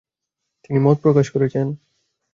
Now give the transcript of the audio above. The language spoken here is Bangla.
তিনি মত প্রকাশ করেছেন।